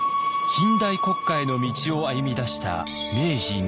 近代国家への道を歩みだした明治日本。